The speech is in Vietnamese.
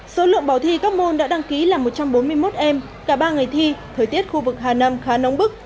số lượng bảo thi các môn đã đăng ký là một trăm bốn mươi một em cả ba ngày thi thời tiết khu vực hà nam khá nóng bức